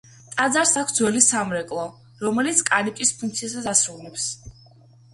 ტაძარს აქვს ძველი სამრეკლო, რომელიც კარიბჭის ფუნქციასაც ითავსებს.